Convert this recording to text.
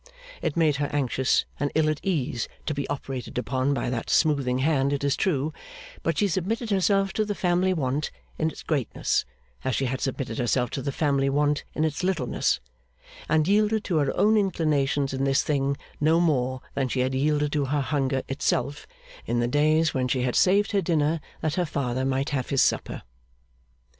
It made her anxious and ill at ease to be operated upon by that smoothing hand, it is true; but she submitted herself to the family want in its greatness as she had submitted herself to the family want in its littleness, and yielded to her own inclinations in this thing no more than she had yielded to her hunger itself, in the days when she had saved her dinner that her father might have his supper.